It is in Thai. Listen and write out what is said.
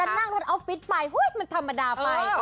มันออฟฟิตไปมันธรรมดาไป